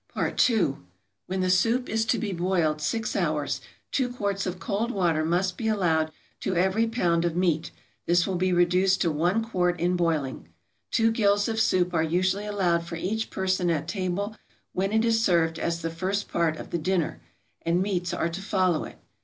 PART II. When the soup is to be boiled six hours, two quarts of cold water must be allowed to every pound of meat; this will be reduced to one quart in boiling. Two gills of soup are usually allowed for each person at table when it is served as the first part of the dinner, and meats are to follow it.